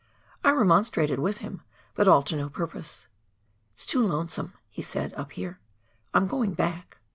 I remonstrated with him, but all to no purpose. " It is too lonesome," he said, " up here. I'm going back."